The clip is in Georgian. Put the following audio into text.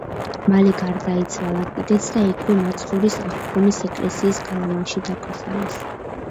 მალე გარდაიცვალა კიდეც და იქვე მაცხოვრის აღდგომის ეკლესიის გალავანში დაკრძალეს.